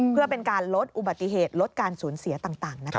เพื่อเป็นการลดอุบัติเหตุลดการสูญเสียต่างนะคะ